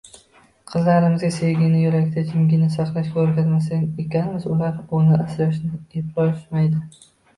Qizlarimizga sevgini yurakda jimgina saqlashga o`rgatmas ekanmiz, ular uni asrashni eplasholmaydi